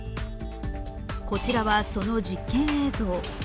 こちらは、その実験映像。